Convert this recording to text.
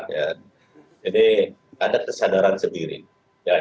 jadi ada kesadaran sendiri